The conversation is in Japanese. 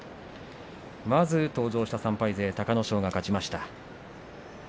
まず登場した３敗勢隆の勝が勝ちました。